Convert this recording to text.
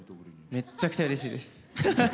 めっちゃくちゃうれしいです。